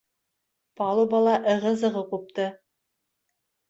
Палубала ығы-зығы ҡупты.